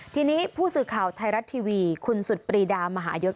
ทีนี้ผู้สื่อข่าวไทยรัฐทีวีคุณสุดปรีดามหายศ